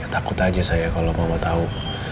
takut aja saya kalau mau tahu